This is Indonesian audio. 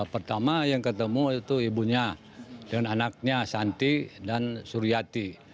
pertama yang ketemu itu ibunya dengan anaknya santi dan suryati